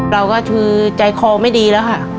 เราก็คือใจคอไม่ดีแล้วค่ะ